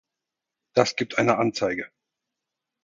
Das gibt eine Anzeige!